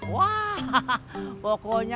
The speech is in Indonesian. wah pokoknya bagus bagus gedung gedungnya